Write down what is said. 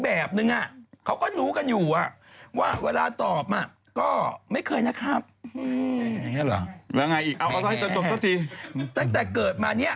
ตั้งแต่เกิดมาเป็นครั้งแรกที่ได้ยินคำนี้